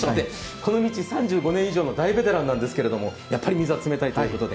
この道３５年以上の大ベテランですが、やっぱり水は冷たいということで。